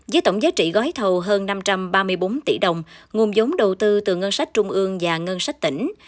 với tổng giá trị gói thầu hơn năm trăm ba mươi bốn tỷ đồng nguồn giống đầu tư từ ngân sách trung ương và ngân sách tỉnh